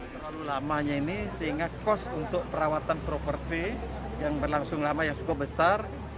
terlalu lamanya ini sehingga cost untuk perawatan properti yang berlangsung lama yang cukup besar